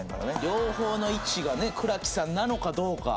両方の位置がね倉木さんなのかどうか？